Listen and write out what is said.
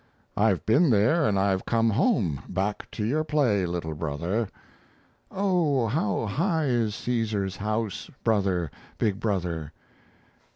"I've been there and I've come home, Back to your play, little brother." "Oh, how high is Caesar's house, Brother, big brother?"